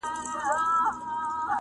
خو احمق سلطان جامې نه وې ليدلي؛